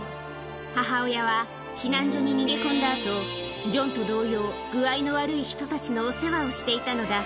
母親は避難所に逃げ込んだあと、ジョンと同様、具合の悪い人たちのお世話をしていたのだ。